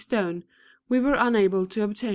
Stone, we were unable to obtain.